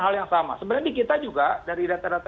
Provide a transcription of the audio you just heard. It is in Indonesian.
hal yang sama sebenarnya di kita juga dari data data